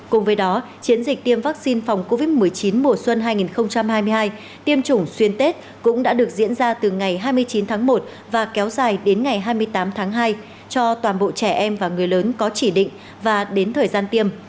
cùng với đó chiến dịch tiêm vaccine phòng covid một mươi chín mùa xuân hai nghìn hai mươi hai tiêm chủng xuyên tết cũng đã được diễn ra từ ngày hai mươi chín tháng một và kéo dài đến ngày hai mươi tám tháng hai cho toàn bộ trẻ em và người lớn có chỉ định và đến thời gian tiêm